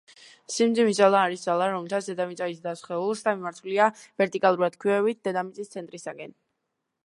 სიმძიმის ძალა არის ძალა, რომლოთაც დედამიწა იზიდავს სხეულს და მიმართულია ვერტიკალურად ქვევით, დედამიწის ცენტრისაკენ.